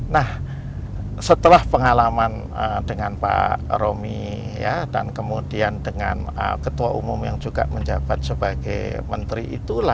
nah setelah pengalaman dengan pak romi dan kemudian dengan ketua umum yang juga menjabat sebagai menteri itu